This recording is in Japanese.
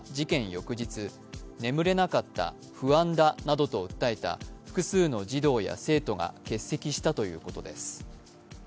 翌日、眠れなかった、不安だなどと訴えた複数の児童や生徒が欠席したということです。